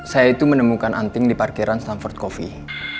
saya itu menemukan anting di parkiran stanford coffee